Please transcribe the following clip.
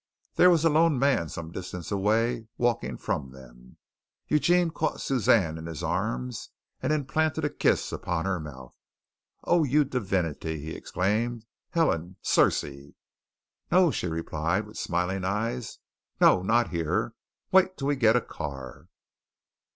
There was a lone man some distance away, walking from them. Eugene caught Suzanne in his arms and implanted a kiss upon her mouth. "Oh, you divinity!" he exclaimed. "Helen! Circe!" "No," she replied, with smiling eyes. "No, not here. Wait till we get a car."